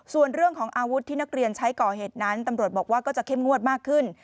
ส่วนเรื่องของอาวุธที่นักเรียนใช้ก่อเหตุนั้นตำรวจบอกว่าก็จะเข้มงวดมากขึ้น